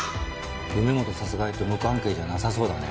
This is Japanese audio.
梅本殺害と無関係じゃなさそうだね。